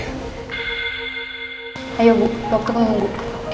ayo bu dokter mau nunggu